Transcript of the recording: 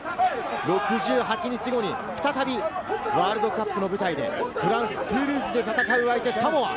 ６８日後に再びワールドカップの舞台でフランス・トゥールーズで戦う相手・サモア。